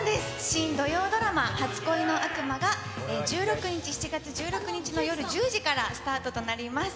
新土曜ドラマ、初恋の悪魔が、７月１６日の夜１０時からスタートとなります。